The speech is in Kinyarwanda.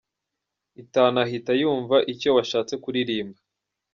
itanu ahita yumva icyo washatse kuririmba.